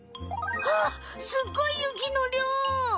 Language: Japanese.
あっすっごい雪のりょう！